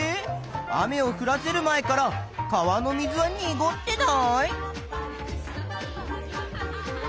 雨をふらせる前から川の水はにごってない？